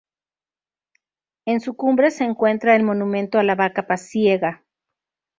En su cumbre se encuentra el "monumento a la vaca pasiega".